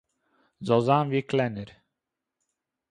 זאל זיין ווי קלענער